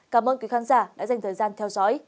cảm ơn quý khán giả đã dành thời gian theo dõi